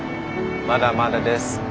まだまだです。